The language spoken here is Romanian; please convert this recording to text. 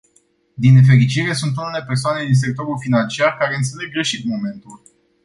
Din nefericire, sunt unele persoane din sectorul financiar care înțeleg greșit momentul.